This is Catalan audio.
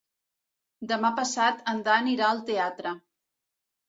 Demà passat en Dan irà al teatre.